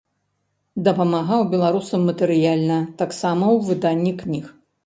Дапамагаў беларусам матэрыяльна, таксама ў выданні кніг.